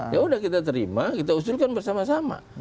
ya udah kita terima kita usulkan bersama sama